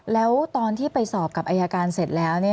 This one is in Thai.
แล้วตอนที่ไปสอบกับอายการเสร็จแล้ว